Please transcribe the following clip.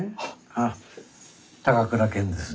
ああ高倉健です。